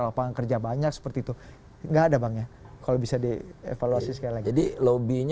lapangan kerja banyak seperti itu enggak ada banget kalau bisa dievaluasi sekali jadi lobinya